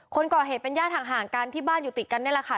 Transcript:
คนก่อเหตุเป็นญาติห่างกันที่บ้านอยู่ติดกันนี่แหละค่ะ